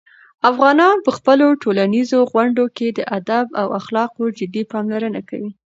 افغانان په خپلو ټولنیزو غونډو کې د "ادب" او "اخلاقو" جدي پاملرنه کوي.